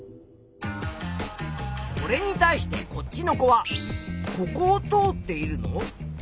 これに対してこっちの子は「ここをとおっているの？」